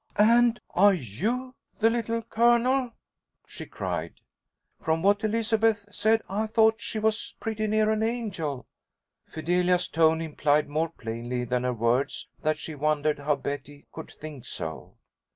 "And are you the Little Colonel!" she cried. "From what Elizabeth said, I thought she was pretty near an angel!" Fidelia's tone implied more plainly than her words that she wondered how Betty could think so.